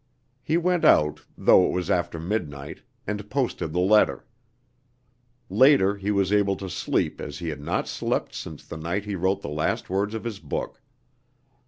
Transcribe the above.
He went out, though it was after midnight, and posted the letter. Later, he was able to sleep as he had not slept since the night he wrote the last words of his book.